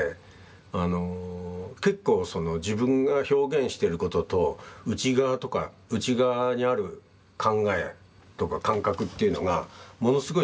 あの結構その自分が表現してることと内側とか内側にある考えとか感覚っていうのがものすごい